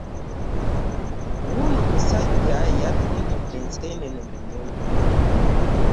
Wuuno omusajja eyatundidde ensene mu nyonyi.